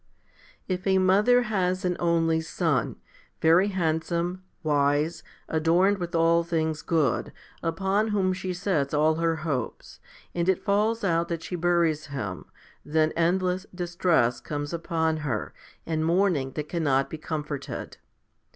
11. If a mother has an only son, very handsome, wise, adorned with all things good, upon whom she sets all her hopes, and it falls out that she buries him, then endless distress comes upon her, and mourning that cannot be comforted.